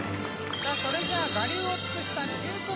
さあそれじゃあ我流を尽くした。